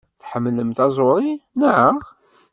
Tḥemmlem taẓuri, naɣ?